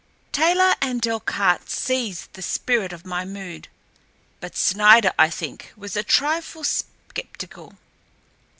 Taylor and Delcarte seized the spirit of my mood but Snider, I think, was a trifle sceptical.